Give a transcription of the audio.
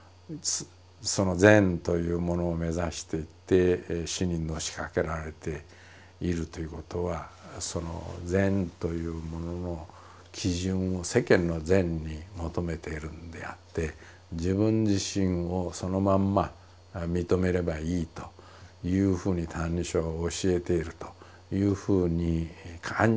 その善というものを目指していって死にのしかかられているということはその善というものの基準を世間の善に求めてるんであって自分自身をそのまんま認めればいいというふうに「歎異抄」が教えているというふうに感じられるようになってきたんですね。